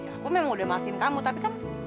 aku memang udah maafin kamu tapi kan